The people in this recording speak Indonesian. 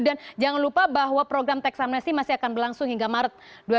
dan jangan lupa bahwa program teks amnesti masih akan berlangsung hingga maret dua ribu tujuh belas